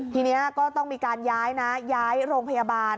ทีนี้ก็ต้องมีการย้ายนะย้ายโรงพยาบาล